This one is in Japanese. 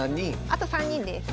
あと３人です。